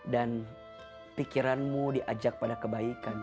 dan pikiranmu diajak pada kebaikan